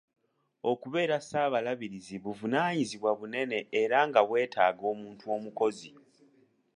Okubeera Ssaabalabirizi buvunaanyizibwa bunene era nga bwetaaga omuntu omukozi.